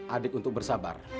adik untuk bersabar